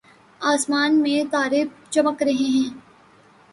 آسمان میں تارے چمک رہے ہیں